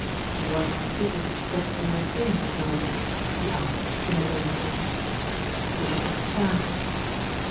"What is it that you are saying, Joyce?" he asked, in a low tone. "I do not understand."